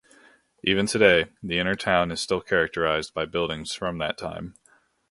Even today, the inner town is still characterized by buildings from that time.